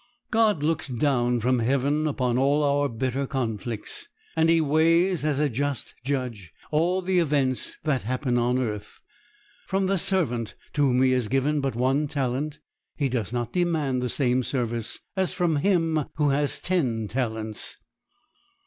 God looks down from heaven upon all our bitter conflicts; and He weighs, as a just Judge, all the events that happen on earth. From the servant to whom He has given but one talent, He does not demand the same service as from him who has ten talents.